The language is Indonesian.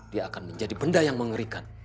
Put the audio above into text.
dia akan menjadi benda yang mengerikan